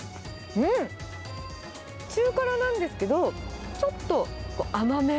中辛なんですけど、ちょっと甘め。